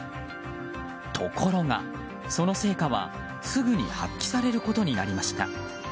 ところがその成果は、すぐに発揮されることになりました。